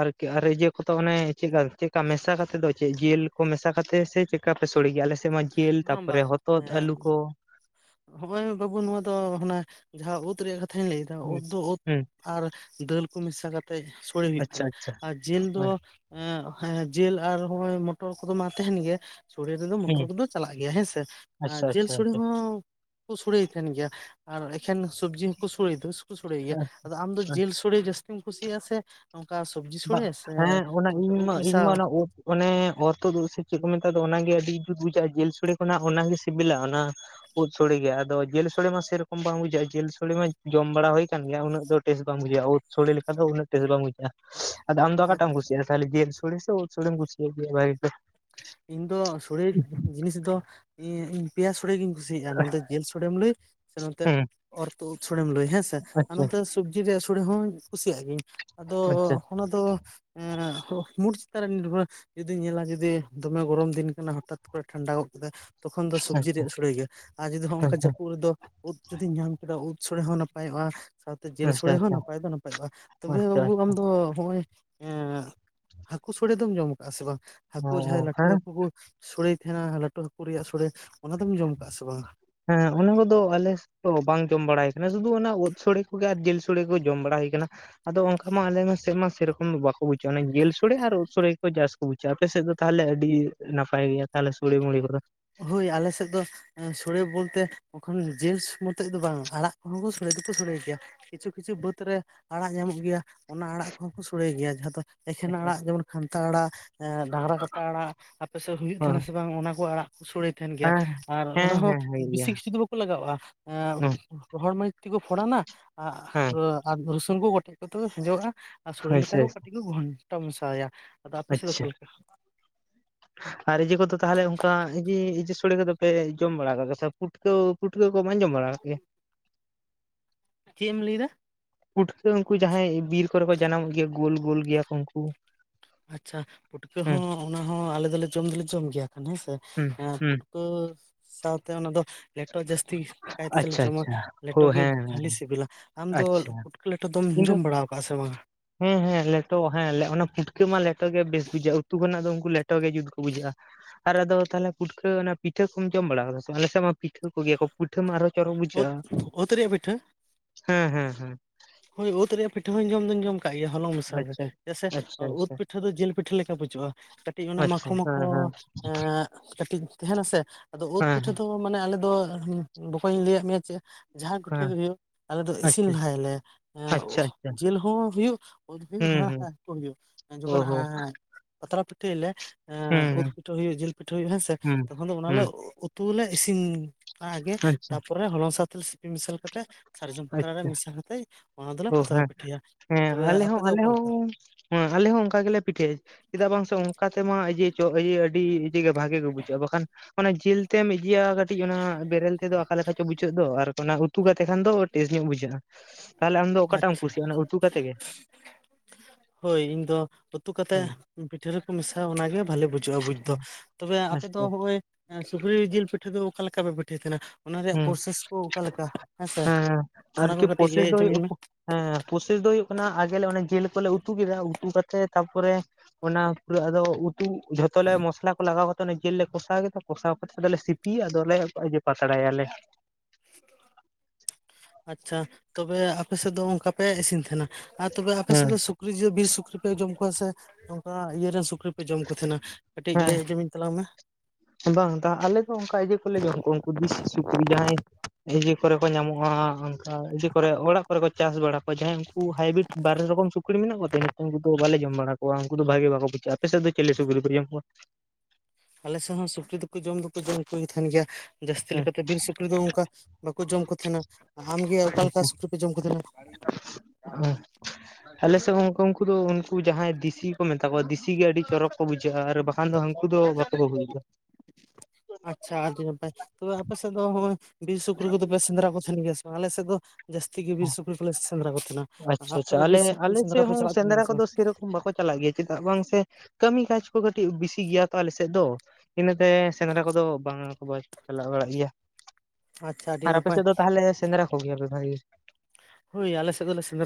ᱟᱨᱠᱤ ᱟᱨ ᱤᱭᱟᱹ ᱠᱚᱫᱚ ᱚᱱᱮ ᱪᱮᱫᱠᱟ ᱪᱮᱫᱠᱟ ᱢᱮᱥᱟ ᱠᱟᱛᱮᱫ ᱫᱚ ᱪᱮᱫ ᱡᱤᱞ ᱠᱚ ᱢᱮᱥᱟ ᱠᱟᱛᱮ ᱥᱮ ᱪᱮ [inaudible] ᱥᱚᱲᱮ ᱜᱮᱭᱟ ᱟᱞᱮ ᱥᱮᱫ ᱢᱟ ᱡᱤᱞ ᱛᱟᱯᱚᱨᱮ ᱦᱚᱛᱚᱫ ᱟᱹᱞᱩ ᱠᱚ ᱱᱚᱜᱼᱚᱭ ᱵᱟᱹᱵᱩ ᱱᱚᱣᱟ ᱫᱚ ᱚᱱᱮ ᱡᱟᱦᱟᱸ ᱩᱫ ᱨᱮᱭᱟᱜ ᱠᱟᱛᱷᱟᱧ ᱞᱟᱹᱭᱫᱟ ᱩᱫ ᱦᱩᱸ ᱫᱚ ᱩᱫ ᱦᱩᱸ ᱟᱨ ᱫᱟᱹᱞ ᱠᱚ ᱢᱮᱥᱟ ᱠᱟᱛᱮᱫ ᱥᱳᱲᱮ ᱦᱩᱭᱩᱜ ᱟᱪᱪᱷᱟ ᱛᱟᱦᱮᱱᱟ ᱟᱪᱪᱷᱟ ᱟᱨ ᱡᱤᱞ ᱫᱚ ᱦᱳᱭ ᱮ ᱦᱮ ᱡᱤᱞ ᱟᱨ ᱱᱚᱜᱚᱭ ᱢᱚᱴᱚᱨ ᱠᱚᱫᱚ ᱢᱟ ᱛᱟᱦᱮᱱ ᱜᱮ ᱥᱚᱲᱮ ᱨᱮᱫᱚ ᱦᱩᱸ ᱢᱚᱴᱚᱨ ᱠᱚᱫᱚ ᱪᱟᱞᱟᱜ ᱜᱮᱭᱟ ᱦᱮᱸᱥᱮ ᱟᱪᱪᱷᱟ ᱡᱤᱞ ᱟᱪᱪᱷᱟ ᱥᱳᱚᱲᱮ ᱟᱪᱪᱷᱟ ᱦᱚᱸ [unintelligible] ᱥᱚᱲᱮᱭ ᱛᱟᱦᱮᱱ ᱜᱮᱭᱟ ᱟᱨ ᱮᱠᱷᱮᱱ ᱥᱚᱵᱽᱡᱤ ᱦᱚᱸᱠᱚ ᱥᱚᱲᱮ [inaudible] ᱠᱚ ᱥᱚᱲᱮ ᱜᱮᱭᱟ ᱟᱫᱚ ᱟᱢᱫᱚ ᱡᱤᱞ ᱥᱳᱲᱮ ᱡᱟᱹᱥᱛᱤᱢ ᱠᱩᱥᱤᱭᱟᱜᱼᱟ ᱥᱮ ᱱᱚᱝᱠᱟ ᱦᱮᱸ ᱚᱱᱟ ᱤᱧ ᱢᱟ ᱤᱧᱢᱟ ᱚᱱᱟ ᱩᱫ ᱚᱱᱮ ᱚᱛᱚᱫ ᱥᱮ ᱪᱮᱫ ᱠᱚ ᱢᱮᱛᱟᱜ ᱟ ᱫᱚ ᱚᱱᱟᱜᱮ ᱟᱹᱰᱤ ᱡᱩᱛ ᱵᱩᱡᱷᱟᱹᱜᱼᱟ ᱡᱤᱞ ᱥᱚᱲᱮ ᱠᱷᱚᱱᱟᱜ ᱚᱱᱟᱜᱮ ᱥᱤᱵᱤᱞᱟ ᱚᱱᱟ ᱩᱫ ᱥᱚᱲᱮ ᱜᱮᱭᱟ ᱟᱫᱚ ᱡᱤᱞ ᱥᱚᱲᱮ ᱢᱟ ᱥᱮᱨᱚᱠᱚᱢ ᱵᱟᱝ ᱵᱩᱡᱷᱟᱹᱜᱼᱟ ᱡᱤᱞ ᱥᱚᱲᱮ ᱢᱟ ᱡᱚᱢ ᱵᱟᱲᱟ ᱦᱩᱭ ᱟᱠᱟᱱ ᱜᱮᱭᱟ ᱩᱱᱟᱹ ᱫᱚ ᱴᱮᱥ ᱵᱟᱝ ᱵᱩᱡᱟᱹᱜᱼᱟ ᱩᱫ ᱥᱳᱲᱮ ᱞᱮᱠᱟ ᱫᱚ ᱩᱱᱟᱹ ᱴᱮᱥ ᱵᱟᱝ ᱵᱩᱡᱷᱟ. ᱜᱼᱟ ᱟᱫᱚ ᱟᱢᱫᱚ ᱚᱠᱟᱴᱟᱜ ᱮᱢ ᱠᱩᱥᱤᱭᱟᱜ ᱟ ᱡᱤᱞ ᱥᱳᱲᱮ ᱥᱮ ᱥᱳᱲᱤᱢ ᱠᱩᱥᱤᱭᱟ [inaudible] ᱤᱧ ᱫᱚ ᱥᱳᱲᱮ ᱡᱤᱱᱤᱥ ᱫᱚ ᱤ ᱤ ᱯᱮᱭᱟ ᱥᱚᱲᱮ ᱜᱤᱧ ᱠᱩᱥᱤᱭᱟᱜᱼᱟ ᱱᱚᱱᱛᱮ ᱡᱤᱞ ᱥᱚᱲᱮᱢ ᱞᱟᱹᱭ ᱥᱮ ᱱᱚᱱᱛᱮ ᱦᱩᱸ ᱚᱨᱛᱚᱫ ᱩᱫ ᱥᱳᱲᱮᱢ ᱞᱟᱹᱭ ᱦᱮᱸᱥᱮ ᱟᱨ ᱟᱪᱪᱷᱟ ᱱᱚᱛᱮ ᱥᱚᱵᱽᱡᱤ ᱨᱮᱭᱟᱜ ᱥᱳᱲᱮ ᱦᱚᱸᱧ ᱠᱩᱥᱤᱭᱟᱜ ᱜᱤᱭᱟᱹᱧ ᱟᱫᱚ ᱟᱪᱪᱷᱟ ᱚᱱᱟ ᱫᱚ ᱮᱸᱻ ᱢᱩᱴ ᱪᱮᱛᱟᱱ ᱨᱮ ᱱᱤᱨᱵᱷᱚᱨ ᱡᱩᱫᱤ ᱧᱮᱞᱟ ᱡᱩᱫᱤ ᱫᱚᱢᱮ ᱜᱚᱨᱚᱢ ᱫᱤᱱ ᱠᱟᱱᱟ ᱦᱚᱴᱟᱛ ᱠᱚᱨᱮ ᱴᱷᱟᱱᱰᱟ ᱜᱚᱫ ᱠᱮᱫᱟᱭ ᱛᱚᱠᱷᱚᱱ ᱫᱚ ᱥᱚᱵᱽᱡᱤ ᱨᱮᱭᱟᱜ ᱥᱳᱲᱮ ᱜᱮᱭᱟ ᱟᱨ ᱡᱩᱫᱤ ᱱᱚᱝᱠᱟ ᱡᱟᱹᱯᱩᱫ ᱨᱮᱫᱚ ᱩᱫ ᱡᱩᱫᱤᱧ ᱧᱟᱢ ᱠᱮᱫᱟ ᱩᱫ ᱥᱳᱲᱮ ᱦᱚᱸ ᱱᱟᱯᱟᱭᱚᱜᱼᱟ ᱥᱟᱶᱛᱮ ᱡᱤᱞ ᱟᱪᱪᱷᱟ ᱥᱳᱲᱮ ᱦᱚᱸ ᱱᱟᱯᱟᱭ ᱫᱚ ᱱᱟᱯᱟᱭᱚᱜᱼᱟ ᱟᱪᱪᱷᱟ ᱛᱚᱵᱮ ᱟᱪᱪᱷᱟ ᱵᱟᱹᱵᱩ ᱟᱢ ᱫᱚ ᱱᱚᱜ ᱚᱭ ᱮ ᱦᱟᱹᱠᱩ ᱥᱳᱲᱮ ᱫᱚᱢ ᱡᱚᱢ ᱠᱟᱜᱼᱟ ᱥᱮ ᱵᱟᱝ ᱦᱟᱹᱠᱩ ᱡᱟᱦᱟᱭ ᱚ ᱞᱟᱹᱴᱩ ᱦᱮᱸ ᱦᱟᱹᱠᱩ ᱠᱚ ᱥᱚᱲᱮ ᱛᱟᱦᱮᱱᱟ ᱞᱟᱹᱴᱩ ᱦᱟᱹᱠᱩ ᱨᱮᱭᱟᱜ ᱥᱚᱲᱮ ᱚᱱᱟ ᱫᱚᱢ ᱡᱚᱢ ᱠᱟᱜᱼᱟ ᱥᱮ ᱵᱟᱝ ᱦᱮᱸ ᱚᱱᱟ ᱠᱚᱫᱚ ᱟᱞᱮ ᱛᱚ ᱵᱟᱝ ᱡᱚᱢ ᱵᱟᱲᱟ ᱦᱩᱭ ᱠᱟᱱᱟ ᱥᱩᱫᱷᱩ ᱚᱱᱟ ᱩᱫ ᱥᱚᱲᱮ ᱠᱚᱜᱮ ᱟᱨ ᱡᱤᱞ ᱥᱚᱲᱮ ᱠᱚ ᱡᱚᱢ ᱵᱟᱲᱟ ᱦᱩᱭ ᱠᱟᱱᱟ ᱟᱫᱚ ᱚᱱᱠᱟ ᱢᱟ ᱟᱞᱮ ᱢᱟ ᱥᱮᱫ ᱢᱟ ᱥᱮᱨᱚᱠᱚᱢ ᱵᱟᱠᱚ [inaudible] ᱡᱤᱞ ᱥᱚᱲᱮ ᱟᱨ ᱩᱫ ᱥᱚᱲᱮ ᱜᱮᱠᱚ ᱡᱟᱥ ᱵᱩᱡᱷᱟᱹ ᱟᱯᱮ ᱥᱮᱫ ᱫᱚ ᱛᱟᱦᱚᱞᱮ ᱟᱹᱰᱤ ᱱᱟᱯᱟᱭ ᱜᱮᱭᱟ ᱛᱟᱦᱚᱞᱮ ᱥᱚᱲᱮ ᱢᱩᱲᱟᱹ ᱠᱚᱫᱚ ᱦᱳᱭ ᱟᱞ ᱥᱮᱫ ᱫᱚ ᱥᱚᱲᱮ ᱵᱚᱞᱛᱮ ᱮᱠᱷᱚᱱ ᱡᱤᱱᱥ ᱢᱚᱛᱚᱪ ᱫᱚ ᱵᱟᱝ ᱟᱲᱟᱜ ᱠᱚᱦᱚᱸ ᱥᱳᱲᱮ ᱫᱚᱠᱚ ᱥᱳᱲᱮ ᱜᱮᱭᱟ ᱠᱤᱪᱷᱩ ᱠᱤᱪᱷᱩ ᱵᱟᱹᱫᱽ ᱨᱮ ᱟᱲᱟᱜ ᱧᱟᱢᱚᱜ ᱜᱮᱭᱟ ᱚᱱᱟ ᱟᱲᱟᱜ ᱠᱚᱦᱚᱸ ᱠᱚ ᱥᱚᱲᱮᱭ ᱜᱮᱭᱟ ᱡᱟᱦᱟᱸ ᱫᱚ ᱮᱠᱷᱮᱱ ᱦᱮᱸ ᱟᱲᱟᱜ ᱡᱮᱢᱚᱱ ᱠᱷᱟᱱᱛᱟ ᱟᱲᱟᱜ ᱦᱮᱸ ᱰᱟᱝᱨᱟ ᱠᱟᱴᱟ ᱟᱲᱟᱜ ᱟᱯᱮᱥᱮᱫ ᱦᱩᱭᱩᱜ ᱦᱮᱸ ᱛᱟᱦᱮᱸᱱᱟ ᱥᱮ ᱵᱟᱝ ᱚᱱᱟ ᱠᱚ ᱟᱲᱟᱜ ᱠᱚ ᱥᱳᱲᱮ ᱛᱟᱦᱮᱱ ᱜᱮᱭᱟ ᱦᱮᱸ ᱟᱨ ᱚᱱᱟ ᱦᱮᱸ ᱦᱚᱸ ᱦᱮᱸ ᱦᱩᱭᱩᱜ ᱜᱮᱭᱟ ᱵᱮᱥᱤ ᱠᱤᱪᱷᱩ ᱫᱚ ᱵᱟᱠᱚ ᱞᱟᱜᱟᱣᱼᱟ ᱮ ᱦᱮᱸ ᱨᱚᱦᱚᱲ ᱢᱟᱹᱨᱤᱪ ᱛᱮᱠᱚ ᱯᱷᱳᱲᱟᱱᱟ ᱟᱨ ᱨᱚᱥᱩᱱ ᱠᱚ ᱠᱚᱴᱮᱡ ᱠᱚ ᱠᱷᱚᱡᱚᱜᱼᱟ ᱟᱨ ᱥᱚᱨᱮ ᱞᱮᱠᱟ ᱟᱪᱪᱷᱟ ᱠᱚ ᱠᱟᱹᱴᱤᱡ ᱠᱚ ᱜᱷᱚᱱᱴᱟ ᱢᱚᱥᱟᱭᱟ ᱟᱫᱚ ᱟᱯᱮ ᱥᱮᱫ ᱫᱚ ᱟᱪᱪᱷᱟ ᱚᱠᱟ ᱞᱮᱠᱟ? ᱟᱨ ᱤᱡᱮ ᱠᱚᱫᱚ ᱛᱟᱦᱞᱮ ᱚᱱᱠᱟ ᱤᱭᱟᱹ ᱥᱚᱲᱮ ᱠᱚᱫᱚ ᱯᱮ ᱡᱚᱢ ᱵᱟᱲᱟ ᱠᱟᱜ ᱜᱮ ᱥᱮ ᱯᱩᱴ ᱯᱩᱠᱟᱹᱣ ᱯᱩᱴᱠᱟᱹ ᱠᱚᱢ ᱟᱸᱡᱚᱢ ᱵᱟᱲᱟ ᱠᱫ ᱜᱮᱭᱟ? ᱪᱮᱫ ᱮᱢ ᱞᱟᱹᱭ ᱮᱫᱟ ᱯᱩᱴᱷᱠᱟᱹ ᱩᱱᱠᱩ ᱡᱟᱦᱟᱭ ᱵᱤᱨ ᱠᱚᱨᱮ ᱠᱚ ᱡᱟᱱᱟᱢᱚᱜ ᱜᱮᱭᱟ ᱜᱳᱞ ᱜᱳᱞ ᱜᱮᱭᱟ ᱠᱚ ᱩᱱᱠᱩ ᱟᱪᱪᱷᱟ ᱯᱩᱴᱠᱟᱹ ᱦᱩᱸ ᱦᱚᱸ ᱚᱱᱟ ᱦᱚᱸ ᱟᱞᱮ ᱫᱚᱞᱮ ᱡᱚᱢ ᱫᱚᱞᱮ ᱡᱚᱢ ᱜᱮᱭᱟ ᱠᱷᱟᱱ ᱦᱮᱸᱥᱮ ᱦᱩᱸ ᱦᱩᱸ ᱠᱚ ᱥᱟᱶᱛᱮ ᱚᱱᱟ ᱫᱚ ᱞᱮᱴᱚ ᱡᱟᱹᱥᱛᱤ ᱠᱟᱭ ᱛᱮᱞᱮ ᱟᱪᱪᱷᱟ ᱡᱚᱢᱟ ᱟᱪᱪᱷᱟ ᱦᱳ ᱞᱮᱴᱚ ᱜᱮ ᱦᱮᱸ ᱵᱷᱟᱞᱤ ᱦᱮᱸ ᱥᱤᱵᱤᱞᱟ ᱟᱢᱫᱚ ᱟᱪᱪᱷᱟ ᱯᱷᱩᱴᱠᱟᱹ ᱞᱮᱴᱚ ᱫᱚᱢ ᱤᱧ ᱫᱚ ᱡᱚᱢ ᱵᱟᱲᱟ ᱟᱠᱟᱫᱼᱟ ᱥᱮ ᱵᱟᱝᱟ ᱦᱮᱸ ᱦᱮᱸ ᱞᱮᱴᱚ ᱦᱮᱸ ᱚᱱᱟ ᱯᱩᱴᱠᱟᱹ ᱢᱟ ᱞᱮᱴᱚ ᱜᱮ ᱵᱮᱥ ᱵᱩᱡᱷᱟᱹᱜᱼᱟ ᱩᱛᱩ ᱠᱷᱚᱱᱟᱜ ᱫᱚ ᱩᱱᱠᱩ ᱞᱮᱴᱚ ᱜᱮ ᱡᱩᱛ ᱠᱚ ᱵᱩᱡᱷᱟᱹᱜᱼᱟ ᱟᱨ ᱟᱫᱚ ᱛᱟᱦᱚᱞᱮ ᱯᱩᱴᱷᱟᱹ ᱚᱱᱟ ᱯᱤᱴᱷᱟᱹ ᱠᱚᱢ ᱡᱚᱢ ᱵᱟᱲᱟ ᱠᱟᱫᱟ ᱥᱮ ᱵᱟᱝ ᱟᱞᱮᱥᱮᱫ ᱢᱟ ᱯᱤᱴᱷᱟᱹ ᱠᱚᱜᱮᱭᱟ ᱠᱚ ᱯᱤᱴᱷᱟᱹ ᱢᱟ ᱟᱨ ᱪᱚᱨᱚᱠ ᱩᱫ ᱵᱩᱡᱷᱟᱹᱜᱼᱟ ᱩᱫ ᱨᱮᱭᱟᱜ ᱯᱤᱴᱷᱟᱹ [inaudible] ᱦᱮᱸ ᱦᱮᱸ ᱦᱮᱸ ᱦᱳᱭ ᱳᱫ ᱨᱮᱭᱟᱜ ᱯᱤᱴᱷᱟᱹ ᱦᱚᱸᱧ ᱡᱚᱢ ᱫᱩᱧ ᱡᱚᱢ ᱠᱟᱜ ᱜᱮᱭᱟ ᱦᱚᱞᱚᱝ ᱢᱮᱥᱟᱞ ᱨᱮ ᱟᱪᱪᱷᱟ ᱪᱮᱫᱟᱜ ᱥᱮ ᱟᱪᱪᱷᱟ ᱩᱫ ᱟᱪᱪᱷᱟ ᱯᱤᱴᱷᱟᱹ ᱫᱚ ᱡᱤᱞ ᱯᱤᱴᱷᱟᱹ ᱞᱮᱠᱟ ᱵᱟᱹᱪᱩᱜᱼᱟ᱾ ᱠᱟᱹᱴᱤᱡ ᱚᱱᱟ ᱟᱪᱪᱷᱟ ᱢᱟᱠᱷ ᱦᱮᱸ ᱢᱟᱠᱚ ᱦᱮᱸ ᱮ ᱠᱟᱹᱴᱤᱡ ᱛᱟᱦᱮᱱᱟᱥᱮ ᱟᱫᱚ ᱩᱫ ᱦᱮᱸ ᱦᱮᱸ ᱯᱤᱴᱷᱟᱹ ᱫᱚ ᱢᱟᱱᱮ ᱟᱞᱮ ᱫᱚ ᱵᱚᱠᱚᱧ ᱞᱟᱹᱭᱟᱫ ᱢᱮᱭᱟ ᱪᱮᱫ᱾ ᱡᱟᱦᱟᱸ ᱯᱤᱴᱷᱟᱹ ᱜᱮ ᱦᱩᱭᱩᱜ ᱟᱞᱮ ᱫᱚ ᱤᱥᱤᱱ ᱟᱪᱪᱷᱟ ᱞᱟᱦᱟᱭᱟᱞᱮ᱾ ᱟᱪᱪᱷᱟ ᱟᱪᱪᱷᱟ ᱡᱮᱞ ᱦᱚᱸ ᱦᱩᱭᱩᱜ ᱦᱩᱭᱩᱜ ᱦ ᱦᱩᱸ [inaudible] ᱦᱩᱸ ᱦ ᱦᱩᱭᱩᱜ [inaudible] ᱡᱚᱠᱷᱚᱱ᱾ ᱚᱦᱚ ᱯᱟᱛᱲᱟ ᱯᱤᱴᱷᱟᱹᱭᱟᱞᱮ, ᱩᱫ ᱦᱩᱸ ᱯᱤᱴᱷᱟᱹ ᱦᱩᱭᱩᱜᱼᱟ, ᱡᱤᱞ ᱯᱤᱴᱷᱟᱹ ᱦᱩᱭᱩᱜᱼᱟ ᱦᱮᱸᱥ᱾ ᱦᱩᱸ ᱛᱚᱠᱷᱚᱱ ᱫᱚ ᱚᱱᱟᱞᱮ ᱦᱩᱸ ᱩᱛᱩᱞᱮ ᱤᱥᱤᱱ ᱠᱟ ᱜᱮ ᱟᱪᱪᱷᱟ ᱛᱟᱯᱚᱨ᱾ ᱛᱟᱨᱯᱚᱨᱮ ᱦᱚᱞᱚᱝ ᱥᱟᱛᱮ ᱥᱤᱯᱤ ᱢᱮᱥᱟᱞ ᱠᱟᱛᱮ, ᱥᱟᱨᱡᱚᱢ ᱯᱟᱛᱲᱟ ᱨᱮ ᱟᱪᱪᱷᱟ ᱢᱮᱥᱟᱞ ᱠᱟᱛᱮ ᱚᱱᱟ ᱫᱚᱞᱮ ᱚ ᱯᱟᱛᱲᱟ ᱦᱮᱸ ᱯᱤᱴᱷᱟᱹᱭᱟ, ᱦᱮᱸ ᱛᱚᱵᱮ ᱟᱞᱮ ᱟᱯᱮ ᱦᱚᱸ ᱫᱚ ᱟᱞᱮ ᱚᱠᱟ ᱞᱮᱠᱟ᱾ ᱦᱚᱸ ᱦᱮᱸ ᱟᱞᱮ ᱦᱚᱸ ᱚᱱᱠᱟ ᱜᱮᱞᱮ ᱯᱤᱴᱷᱟᱹᱭᱟ, ᱪᱮᱫᱟᱜ ᱵᱟᱝᱥ ᱚᱱᱠᱟ ᱛᱮᱢᱟ [unintelligible] ᱤᱭᱟᱹ᱾ ᱟᱹᱰᱤ ᱵᱷᱟᱜᱤ ᱜᱮ ᱵᱩᱡᱷᱟᱹᱜᱼᱟ, ᱵᱟᱠᱷᱟᱱ ᱚᱱᱟ ᱡᱤᱞᱛᱮᱢ ᱤᱡᱤᱭᱟ᱾ ᱠᱟᱹᱴᱤᱡ ᱚᱱᱟ ᱵᱮᱨᱮᱞ ᱛᱮ ᱫᱚ ᱚᱠᱟ ᱞᱮᱠᱟ ᱪᱚ ᱵᱩᱡᱷᱟᱹᱜ ᱫᱚ, ᱟᱨ ᱚᱱᱟ ᱩᱛᱩ ᱠᱟᱛᱮ ᱠᱷᱟᱱ ᱫᱚ ᱴᱮᱥᱴ ᱧᱚᱜ ᱵᱩᱡᱷᱟᱹᱜᱼᱟ, ᱛᱟᱦᱞᱮ ᱟᱢ ᱫᱚ ᱚᱠᱟᱴᱟᱜ ᱮᱢ ᱟᱪᱪᱷᱟ ᱠᱩᱥᱤᱭᱟᱜᱼᱟ ᱚᱱᱟ ᱩᱛᱩ ᱠᱟᱛᱮ ᱜᱮ᱾ [inaudible] ᱦᱳᱭ ᱤᱧ ᱫᱚ ᱩᱛᱩ ᱠᱟᱛᱮ, ᱦᱮᱸ ᱯᱤᱴᱷᱟᱹ ᱨᱮᱠᱚ ᱢᱮᱥᱟ ᱚ ᱜᱮ ᱵᱷᱟᱹᱞᱤ ᱵᱩᱡᱷᱟᱹ᱾ ᱵᱩᱡᱼᱟ ᱵᱩᱡ ᱫᱚ ᱦᱮᱸ, ᱛᱚᱵᱮ ᱟᱯᱮ ᱟᱪᱪᱷᱟ ᱫᱚ ᱱᱚᱜᱼᱚᱭ ᱥᱩᱠᱨᱤ ᱡᱤᱞ ᱯᱤᱴᱷᱟᱹ ᱫᱚ ᱚᱠᱟ ᱞᱮᱠᱟ ᱯᱮ ᱯᱤᱴᱷᱟᱹᱭ ᱛᱟᱦᱮᱱᱟ? ᱚᱱᱟ ᱨᱮᱭᱟᱜ ᱦᱩᱸ ᱯᱨᱚᱥᱮᱥ ᱠᱚ ᱚᱠᱟ ᱞᱮᱠᱟ? ᱦᱮᱸᱥᱮ ᱦᱮᱸ ᱚᱱᱟ ᱟᱨᱠᱤ ᱠᱚ ᱠᱟᱹᱴᱤᱡ ᱯᱨᱚᱥᱮᱥ ᱞᱟᱹᱭ ᱫᱚ ᱟᱸᱡᱚᱢ ᱟᱹᱧ ᱦᱩᱭᱩᱜ ᱢᱮ᱾ ᱦᱮᱸ ᱯᱚᱥᱮᱥ ᱫᱚ ᱦᱩᱭᱩᱜ ᱠᱟᱱᱟ, ᱟᱜᱮᱞ ᱚᱱ ᱡᱤᱞ ᱠᱚᱞᱮ ᱩᱛᱩ ᱠᱮᱫᱟ, ᱩᱛᱩ ᱠᱟᱛᱮᱜ ᱛᱟᱨᱯᱚᱨᱮ ᱚᱱᱟ ᱯᱩᱨᱟᱹ ᱟᱫᱚ ᱛᱩ ᱡᱷᱚᱛᱚᱮ ᱢᱚᱥᱞᱟ ᱠᱚ ᱞᱟᱜᱟᱣ ᱠᱟᱛᱮ ᱡᱤᱞ ᱞᱮ ᱠᱚᱥᱟᱣ ᱠᱮᱫᱟ, ᱠᱚᱥᱟᱣ ᱠᱟᱛᱮ ᱟᱫᱚᱞᱮ ᱥᱤᱯᱤᱭᱟ ᱟᱫᱚᱞᱮ ᱯᱟ [unintelligible] ᱪᱟᱲᱟᱭᱞᱮ ᱟᱪᱷᱟ ᱛᱚᱵᱮ ᱟᱯᱮ ᱥᱮᱫ ᱫᱚ ᱚᱱᱠᱟᱯᱮ ᱤᱥᱤᱱ ᱛᱟᱦᱮᱱᱟ, ᱟᱨ ᱛᱚᱵᱮ ᱟᱯᱮ ᱥᱮᱫ ᱦᱮᱸ ᱫᱚ ᱥᱩ ᱥᱩᱠᱨᱤ ᱡ ᱵᱤᱨ ᱥᱩᱠᱨᱤ ᱯᱮ ᱡᱚᱢ ᱠᱚᱣᱟ ᱥᱮ, ᱱᱚᱝᱠᱟ ᱤᱭᱟᱹᱟᱹᱨ ᱨᱮᱱ ᱥᱩᱠᱨᱤ ᱯᱮ ᱡᱚᱢ ᱠᱚ ᱛᱟᱦᱮᱱᱟ᱾ ᱠᱟᱹᱴᱤᱡ ᱞᱟᱹᱭ ᱟᱸᱚᱢᱟᱹᱧ ᱛᱟᱝ ᱢᱮ? ᱵᱟᱝᱟᱦ ᱟᱞᱮ ᱫᱚ ᱚᱱᱠᱟ, ᱤᱭᱟᱹ ᱠᱚᱞᱮ ᱡᱚᱢ ᱠᱚᱣᱟ ᱩᱱᱠᱩ ᱫᱤᱥᱤ ᱥᱩᱠᱨᱤ ᱡᱟᱦᱟᱸᱭ ᱤᱭᱟᱹ ᱠᱚᱨᱮ ᱠᱚ ᱧᱟᱢᱚᱜᱼᱟ, ᱚᱱᱠᱟ ᱤᱭᱟᱹ ᱠᱚᱨᱮ ᱚᱲᱟᱜ ᱠᱚᱨᱮ ᱠᱚ ᱪᱟᱥ ᱵᱟᱲᱟ ᱠᱚᱣᱟ, ᱡᱟᱦᱟᱸᱭ ᱦᱟᱭᱵᱨᱤᱰ ᱵᱟᱨᱮ ᱨᱚᱠᱚᱢ ᱥᱩᱠᱨᱤ ᱢᱮᱱᱟᱜ ᱠᱚᱛᱮ, ᱤᱱᱟᱹ ᱩᱱᱠᱩ ᱫᱚ ᱵᱟᱮ ᱡᱚᱢ ᱵᱟᱲᱟ ᱠᱚᱣᱟ, ᱩᱱᱠᱩ ᱫᱚ ᱵᱷᱟᱜᱮ ᱵᱟᱠᱚᱩᱷᱟᱹᱜᱼᱟ᱾ ᱯᱮᱥᱮ ᱫᱚ ᱪᱮᱞᱮ ᱥᱩᱜᱨᱤ ᱯᱮ ᱡᱚᱢ ᱠᱚᱳᱣᱟ᱾ ᱟᱞᱮ ᱥᱮᱫ ᱦᱚᱸ, ᱥᱩᱠᱨᱤ ᱫᱚᱠᱚ ᱡᱚᱢ ᱫᱚᱠᱚ ᱡᱚᱢ ᱠᱚ ᱛᱟᱦᱮᱱ ᱜᱮᱭᱟ᱾ ᱡᱟᱹᱥᱛᱤ ᱦᱮᱸ ᱞᱮᱠᱟᱛᱮ ᱵᱤᱨ ᱥᱩᱠᱨᱤ ᱫᱚ ᱚᱱᱠᱟ ᱵᱟᱠᱚ ᱡᱚᱢ ᱠᱚ ᱛᱟᱦᱮᱸᱱᱟ᱾ ᱟᱢᱜᱮ ᱚᱠᱟ ᱞᱮᱠᱟ ᱥᱩᱠᱨᱤ ᱯᱮ ᱡᱚᱢ ᱠᱮᱫᱮᱟ᱾ ᱦ [unintelligible] ᱟᱞᱮᱥᱮᱫ ᱜᱚᱠ ᱩᱱᱠᱩ ᱫᱚ ᱩᱱᱠᱩ ᱡᱟᱦᱟᱸᱭ ᱫᱤᱥᱤ ᱠᱚ ᱢᱮᱛᱟ ᱠᱚᱣᱟ, ᱫᱮᱥᱤ ᱜᱮ ᱟᱹᱰᱤ ᱪᱚᱨᱚᱠ ᱠᱚ ᱵᱩᱡᱷᱟᱹᱜᱼᱟ, ᱟᱨ ᱵᱟᱠᱷᱟᱱ ᱫᱚ ᱠᱩ ᱫᱚ [unintelligible] ᱟᱪᱷᱟ ᱟᱹᱰᱤ ᱱᱟᱯᱟᱭ ᱛᱚᱵᱮ ᱟᱯᱮ ᱥᱮᱫ ᱫᱚ ᱵᱤᱨ ᱥᱩᱠᱨᱤ ᱠᱚᱫᱚᱯᱮ ᱥᱮᱸᱫᱽᱨᱟ ᱠᱚ ᱜᱮᱭᱟ ᱵᱟᱝ, ᱟᱞᱮ ᱥᱮᱫ ᱫᱚ ᱡᱟᱹᱥᱛᱤ ᱜᱮ ᱵᱤᱨ ᱥᱩᱠᱨᱤ ᱠᱚᱞᱮ ᱥᱮᱸᱫᱽᱨᱟ ᱠᱚ ᱛᱟᱦᱮᱱᱟ᱾ ᱟᱪᱪᱷᱟ ᱟᱯᱮ ᱟᱪᱪᱷᱟ ᱫᱚ ᱵᱤᱨ ᱟᱞᱮ ᱥᱩᱠᱨᱤ ᱥᱮᱸᱫᱽᱨᱟ ᱟᱞᱮᱥᱮᱫ ᱯᱮ ᱦᱚᱸ ᱪᱟᱞᱟᱜ ᱛᱟᱦᱮᱱ ᱥᱮᱸᱫᱽᱨᱟ ᱜᱮᱭᱟ ᱥᱮ ᱠᱚᱫᱚ ᱥᱮᱨᱚᱠᱚᱢ ᱵᱟᱠᱚ ᱪᱟᱞᱟᱜ ᱜᱮᱭᱟ ᱪᱮᱫᱟᱜ ᱵᱟᱝ ᱥᱮ ᱠᱟᱹᱢᱤ ᱠᱟᱡ ᱠᱚ ᱠᱟᱹᱴᱤᱡ ᱵᱤᱥᱤ ᱜᱮᱭᱟ ᱛᱚ ᱟᱞᱮᱥᱮᱫ ᱫᱚ ᱤᱱᱟᱹᱛᱮ ᱥᱮᱸᱫᱽᱨᱟ ᱠᱚᱫᱚ ᱵᱟᱝ ᱪᱟᱞᱟᱣ ᱵᱟᱲᱟᱜ ᱜᱮᱭᱟ ᱵᱟᱝ ᱟᱪᱪᱷᱟ ᱟᱹᱰᱤ ᱟᱨ ᱟᱯᱮ ᱱᱟᱯᱟᱭ ᱥᱮᱫ ᱫᱚ ᱛᱟᱦᱚᱞᱮ ᱥᱮᱸᱫᱽᱨᱟ ᱠᱚᱜᱭᱟ ᱵᱷ ᱜᱮ [unintelligible] ᱦᱳᱭ ᱟᱞᱮ ᱥᱮᱜ ᱫᱚᱞᱮ ᱥᱮᱱ